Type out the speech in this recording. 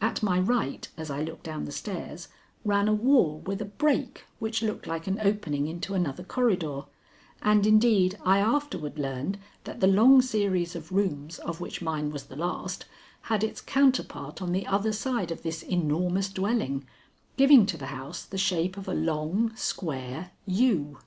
At my right, as I looked down the stairs, ran a wall with a break, which looked like an opening into another corridor, and indeed I afterward learned that the long series of rooms of which mine was the last, had its counterpart on the other side of this enormous dwelling, giving to the house the shape of a long, square U.